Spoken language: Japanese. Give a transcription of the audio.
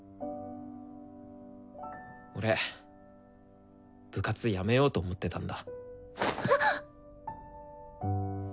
俺部活辞めようと思ってたんだ。